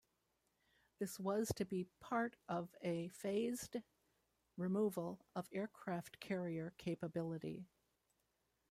This was to be part of a phased removal of aircraft carrier capability.